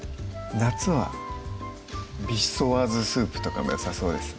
夏はビシソアーズスープとかもよさそうですね